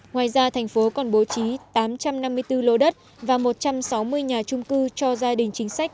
ngoài ra thành phố còn bố trí tám trăm năm mươi bốn lô đất và một trăm sáu mươi nhà trung cư cho gia đình chính sách